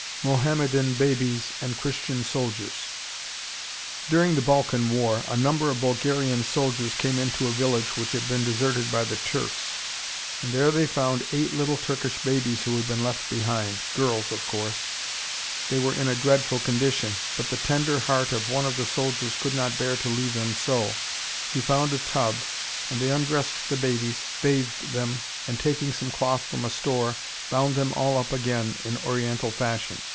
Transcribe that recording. MOHAMMEDAN BABIES AND CHRISTIAN SOLDIERS During the Balkan War a number of Bulgarian soldiers came into a village which had been deserted by the Turks, and there they found eight little Turkish babies who had been left behind, girls of course. They were in a dreadful condition, but the tender heart of one of the soldiers could not bear to leave them so. He found a tub, and they undressed the babies, bathed them, and, taking some cloth from a store, bound them all up again in Oriental fashion.